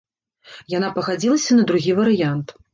Яна пагадзілася на другі варыянт.